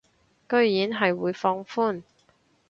居然係會放寬